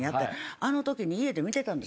あのときに家で見てたんですよ。